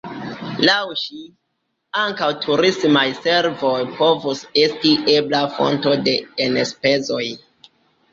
Laŭ ŝi, ankaŭ turismaj servoj povus esti ebla fonto de enspezoj.